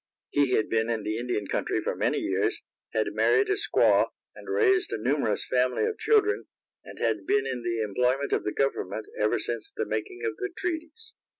He had been in the Indian country for many years, had married a squaw, and raised a numerous family of children, and had been in the employment of the government ever since the making of the treaties.